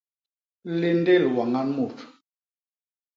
Léndél wañan mut.